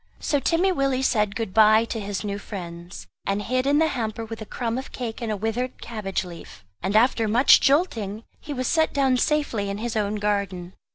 So Timmy Willie said good bye to his new friends, and hid in the hamper with a crumb of cake and a withered cabbage leaf; and after much jolting, he was set down safely in his own garden.